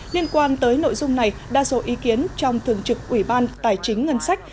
liên quan tới nội dung này đa số ý kiến trong thường trực ủy ban tài chính ngân sách